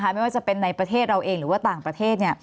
ไม่ว่าจะเป็นในประเทศเราเองหรือว่าต่างประเทศ